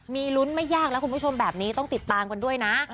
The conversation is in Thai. มีลุ้นไม่ยากแล้วคุณผู้ชมแบบนี้ต้องติดตามกันด้วยนะ